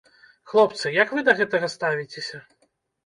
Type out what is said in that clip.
Хлопцы, як вы да гэтага ставіцеся?